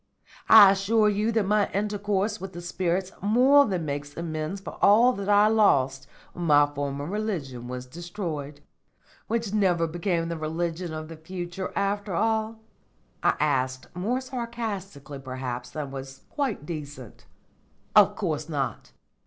I assure you that my intercourse with the spirits more than makes amends for all that I lost when my former religion was destroyed." "Which never became the religion of the future after all?" I asked, more sarcastically perhaps than was quite decent. "Of course not.